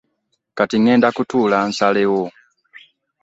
Kati ŋŋenda kutuula nsalewo.